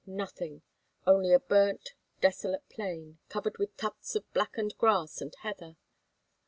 Nothing only a burnt, desolate plain, covered with tufts of blackened grass and heather.